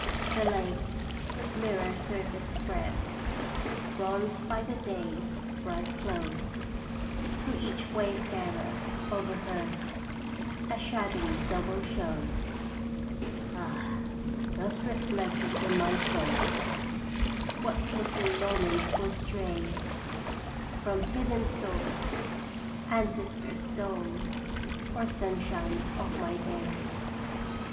" The lake, with mirror surface spread, Bronzed by the day's bright close, To each wayfarer overhead, A shadowy double shows. "Ah ! thus reflected in my soul What flitting thoughts will stray From hidden source ancestors' dole, Or sunshine of my day.